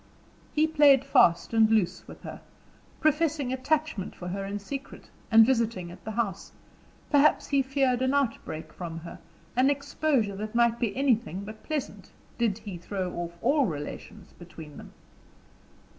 He played fast and loose with her professing attachment for her in secret, and visiting at the house; perhaps he feared an outbreak from her, an exposure that might be anything but pleasant, did he throw off all relations between them.